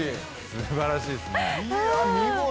すばらしいですね。